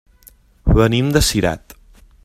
Venim de Cirat.